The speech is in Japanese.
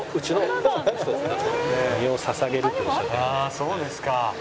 そうですか。